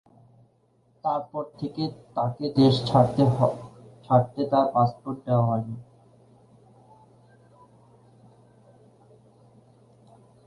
তারপর থেকে তাকে দেশ ছাড়তে তার পাসপোর্ট দেওয়া হয়নি।